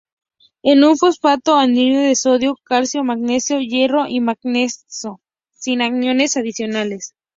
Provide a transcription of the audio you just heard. Es un fosfato anhidro de sodio, calcio, magnesio, hierro y manganeso, sin aniones adicionales.